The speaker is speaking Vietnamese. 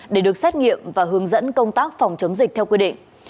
để được xét nghiệm và hướng dẫn công tác phòng chống dịch theo quy định